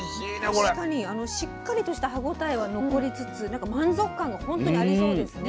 確かにしっかりとした歯応えは残りつつ満足感が本当にありそうですね。ね